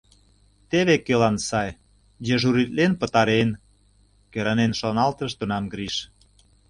«Теве кӧлан сай, дежуритлен пытарен», — кӧранен шоналтыш тунам Гриш.